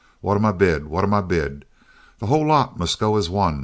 What am I bid? What am I bid? The whole lot must go as one.